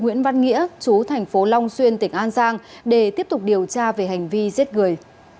nguyễn văn nghĩa chú thành phố long xuyên tỉnh an giang để tiếp tục điều tra về hành vi giết người